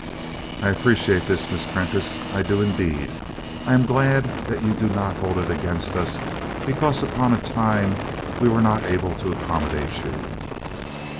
"I appreciate this, Miss Prentice, I do indeed. I am glad that you do not hold it against us because upon a time we were not able to accommodate you."